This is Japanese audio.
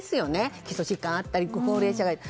基礎疾患があったり高齢者だったりと。